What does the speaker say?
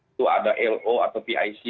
itu ada lo atau pic